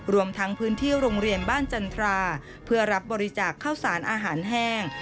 รวมทั้งพื้นที่โรงเรียนบ้านจันทราเพื่อรับบริจาคข้าวสารอาหารแห้ง